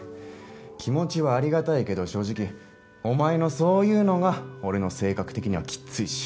気持ちはありがたいけど正直お前のそういうのが俺の性格的にはきついし。